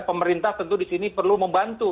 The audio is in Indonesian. pemerintah tentu di sini perlu membantu